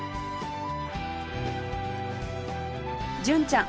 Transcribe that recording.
純ちゃん